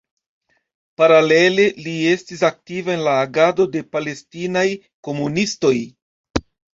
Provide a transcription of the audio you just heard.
Paralele li estis aktiva en la agado de palestinaj komunistoj.